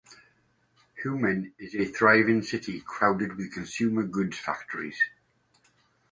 Humen is a thriving city crowded with consumer goods factories.